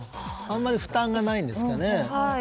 あまり負担がないんですね。